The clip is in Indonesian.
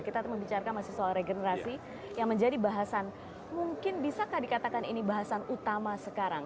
kita membicarakan masyarakat tentang regenerasi yang menjadi bahasan mungkin bisa kah dikatakan ini bahasan utama sekarang